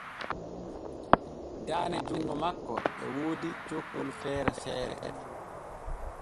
Daane junŋo makko e woodi cokkon feere feere.